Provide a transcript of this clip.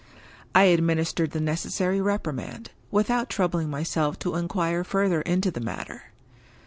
I administered the necessary reprimand, without troubling myself to inquire further into the matter.